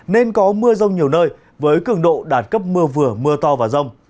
nên có mưa rồng nhiều nơi với cường độ đạt cấp mưa vừa mưa to và rồng